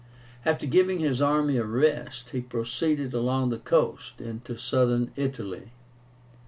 After giving his army a rest, he proceeded along the coast into Southern Italy.